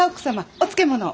お漬物を。